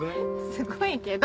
すごいけど！